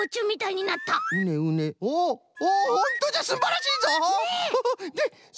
うねうねおほんとじゃすんばらしいぞ！